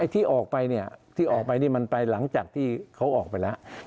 ที่ออกไปเนี่ยที่ออกไปนี่มันไปหลังจากที่เขาออกไปแล้ว